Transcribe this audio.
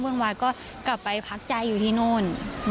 กลัวไวก็กลับไปพักไต้อยู่ที่นู่น